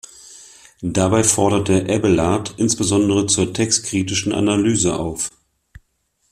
Dabei forderte Abaelard insbesondere zur textkritischen Analyse auf.